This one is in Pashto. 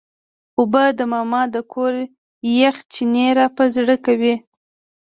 اوبه د ماما د کور یخ چینې راپه زړه کوي.